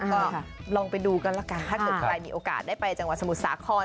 ก็ลองไปดูกันละกันถ้าเกิดใครมีโอกาสได้ไปจังหวัดสมุทรสาคร